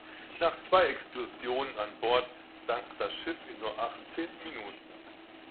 Nach zwei Explosionen an Bord sank das Schiff in nur achtzehn Minuten.